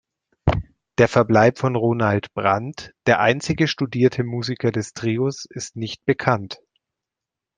Der Verbleib von Ronald Brand, der einzige studierte Musiker des Trios, ist nicht bekannt.